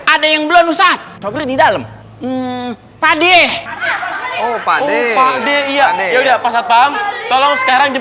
ada yang belum saat sopir di dalam padeh oh padeh padeh iya udah pasal pang tolong sekarang